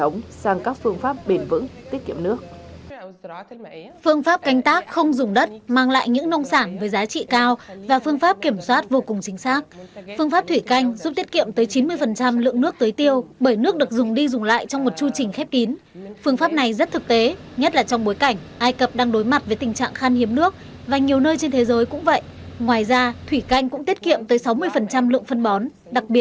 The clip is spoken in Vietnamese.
ngoài ra thủy canh cũng tiết kiệm tới sáu mươi lượng phân bón đặc biệt khi lượng phân bón tăng giá mạnh trong ba bốn năm trở lại đây